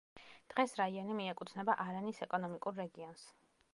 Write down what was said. დღეს რაიონი მიეკუთვნება არანის ეკონომიკურ რეგიონს.